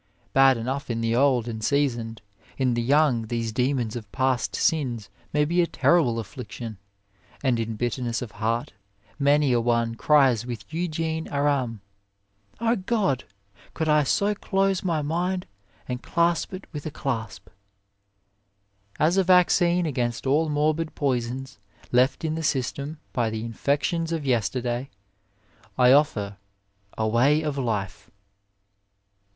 Bad enough in the old and seasoned, in the young these demons of past sins may be a terrible affliction, and in bitterness of heart many a 26 OF LIFE one cries with Eugene Aram, 11 Oh God ! Could I so close my mind, and clasp it with a clasp." As a vaccine against all morbid poisons left in the system by the infections of yesterday, I offer " a way of life."